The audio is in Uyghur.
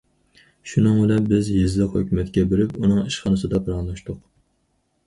شۇنىڭ بىلەن بىز يېزىلىق ھۆكۈمەتكە بېرىپ، ئۇنىڭ ئىشخانىسىدا پاراڭلاشتۇق.